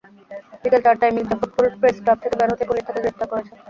বিকেল চারটায় মির্জা ফখরুল প্রেসক্লাব থেকে বের হতেই পুলিশ তাঁকে গ্রেপ্তার করেছে।